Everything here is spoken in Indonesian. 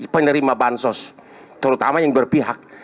penerima bansos terutama yang berpihak